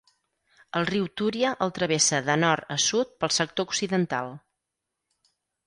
El riu Túria el travessa de nord a sud pel sector occidental.